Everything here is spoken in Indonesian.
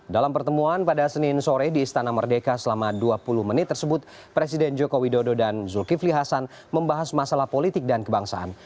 dalam pertemuan pada senin sore di istana merdeka selama dua puluh menit tersebut presiden joko widodo dan zulkifli hasan membahas masalah politik dan kebangsaan